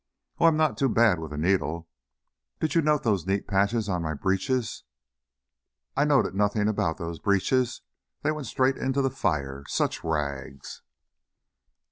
"Oh, I'm not too bad with a needle. Did you note those neat patches on my breeches ?" "I noted nothing about those breeches; they went straight into the fire! Such rags...."